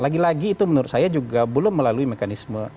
lagi lagi itu menurut saya juga belum melalui mekanisme